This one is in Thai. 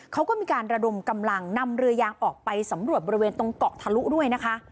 เขาก็มีการระดมกำลังนำเรือยางออกไปสำรวจบริเวณตรงเกาะทะลุด้วยนะคะ